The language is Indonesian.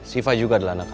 siva juga adalah anak aku